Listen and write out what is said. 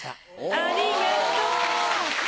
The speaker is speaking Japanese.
ありがとっ。